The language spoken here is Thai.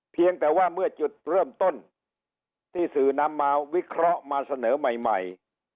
เพียงแต่ว่าเมื่อจุดเริ่มต้นที่สื่อนำมาวิเคราะห์มาเสนอใหม่